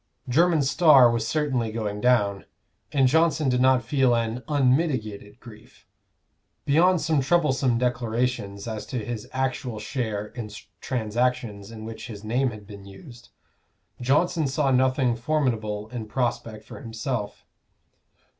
Jermyn's star was certainly going down, and Johnson did not feel an unmitigated grief. Beyond some troublesome declarations as to his actual share in transactions in which his name had been used, Johnson saw nothing formidable in prospect for himself.